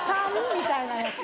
みたいなやつ。